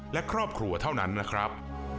และครอบครัวเท่านั้นนะครับ